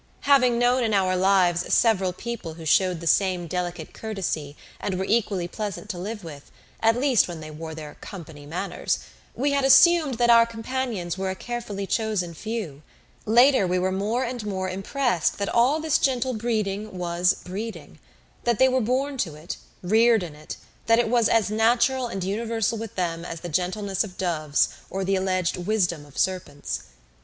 Having known in our lives several people who showed the same delicate courtesy and were equally pleasant to live with, at least when they wore their "company manners," we had assumed that our companions were a carefully chosen few. Later we were more and more impressed that all this gentle breeding was breeding; that they were born to it, reared in it, that it was as natural and universal with them as the gentleness of doves or the alleged wisdom of serpents.